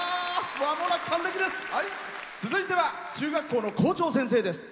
続いては中学校の校長先生です。